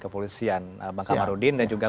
kepolisian bang kamarudin dan juga